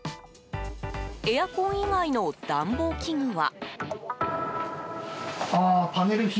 エアコン以外の暖房器具は。